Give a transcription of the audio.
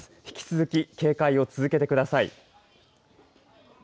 引き続き警戒を続けてください。